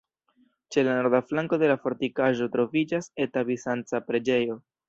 Ĉe la norda flanko de la fortikaĵo troviĝas eta bizanca preĝejo.